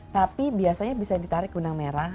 tapi biasanya bisa ditarik gunang merah